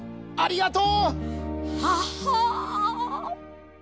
いやありがとう！